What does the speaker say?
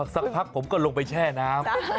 สักพักผมก็ลงไปแช่น้ำ